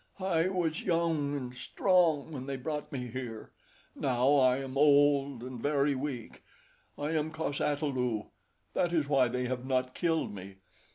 "I was young and strong when they brought me here. Now I am old and very weak. I am cos ata lu that is why they have not killed me.